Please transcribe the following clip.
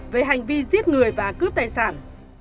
về hành vi giết người và cướp tài sản